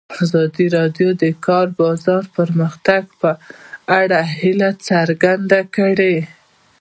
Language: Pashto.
ازادي راډیو د د کار بازار د پرمختګ په اړه هیله څرګنده کړې.